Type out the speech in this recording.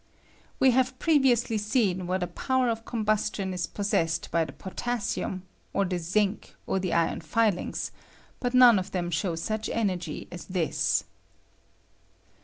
"We have previously seen what a power of combustion ie possessed by the potassium, or the zinc, or the iron filings ; but none of them show fluch energy as this.